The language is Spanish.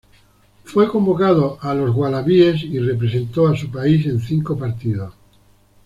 Fue convocado a los Wallabies y representó a su país en cinco partidos.